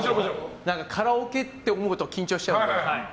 カラオケって思うと緊張しちゃうので。